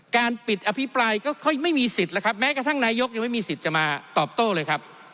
การปิดอภิปรายก็ค่อยไม่มีสิทธิ์แล้วครับแม้กระทั่งนายกยังไม่มีสิทธิ์จะมาตอบโต้เลยครับ